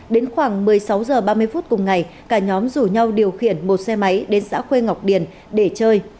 đến khoảng một mươi sáu h ba mươi phút cùng ngày cả nhóm rủ nhau điều khiển một xe máy đến xã khuê ngọc điền để chơi